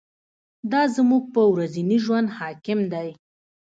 دا زموږ په ورځني ژوند حاکم دی.